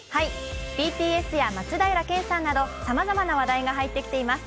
ＢＴＳや松平健さんなどさまざまな話題が入ってきています。